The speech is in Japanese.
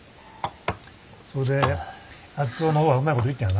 それで圧造の方はうまいこといったんやな。